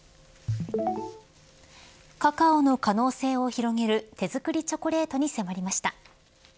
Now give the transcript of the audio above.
カカオの可能性を広げる手作りチョコレートに迫りました。